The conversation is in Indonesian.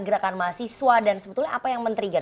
gerakan mahasiswa dan sebetulnya apa yang men trigger